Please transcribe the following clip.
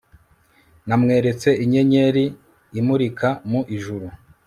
namweretse inyenyeri imurika mu ijuru